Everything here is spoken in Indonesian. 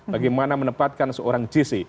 bagaimana menempatkan seorang jc